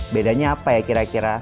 bedanya apa ya kira kira